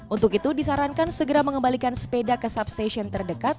untuk itu disarankan segera mengembalikan sepeda ke substation terdekat